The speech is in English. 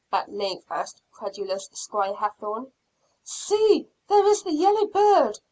at length asked credulous Squire Hathorne. "See, there is the yellow bird!"